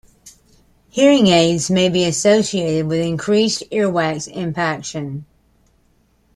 Hearing aids may be associated with increased earwax impaction.